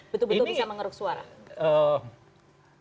betul betul bisa mengeruk suara